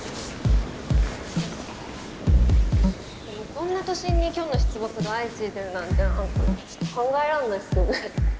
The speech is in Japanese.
こんな都心にキョンの出没が相次いでるなんてちょっと考えらんないっすよね。